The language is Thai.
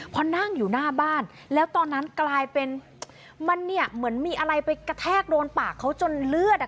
พอนั่งอยู่หน้าบ้านแล้วตอนนั้นกลายเป็นมันเนี่ยเหมือนมีอะไรไปกระแทกโดนปากเขาจนเลือดอ่ะ